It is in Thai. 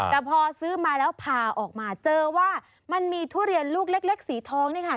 แต่พอซื้อมาแล้วพาออกมาเจอว่ามันมีทุเรียนลูกเล็กสีทองนี่ค่ะ